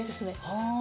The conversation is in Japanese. はあ。